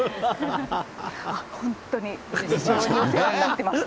本当に、非常にお世話になってました。